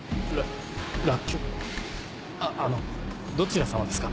あのどちら様ですか？